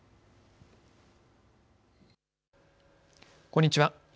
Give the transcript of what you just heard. こんにちは。